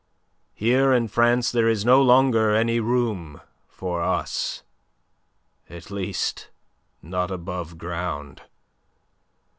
Here in France there is no longer any room for us at least, not above ground.